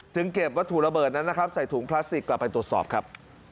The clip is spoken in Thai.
เก็บวัตถุระเบิดนั้นนะครับใส่ถุงพลาสติกกลับไปตรวจสอบครับ